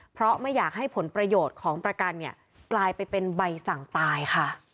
เพราะไม่อยากให้ผลประโยชน์ของประกันเนี่ยกลายไปเป็นใบสั่งตายค่ะ